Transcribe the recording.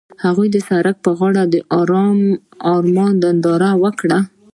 هغوی د سړک پر غاړه د آرام آرمان ننداره وکړه.